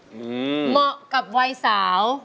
เหมาะกับวัยสาว